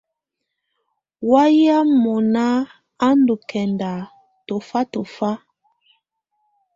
Wayɛ̀á mɔ̀na á ndù kɛnda tɔ̀fa tɔ̀fa.